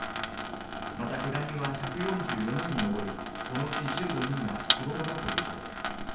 また、けが人は１４４人にのぼり、このうち１５人が子どもだということです。